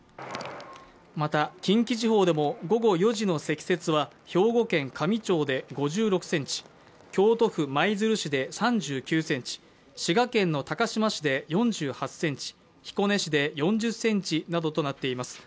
また近畿地方でも午後４時の積雪は兵庫県香美町で５６ｃｍ、京都府舞鶴市で３９ｃｍ、滋賀県の高島市で４８ｃｍ、彦根市で４０ｃｍなどとなっています。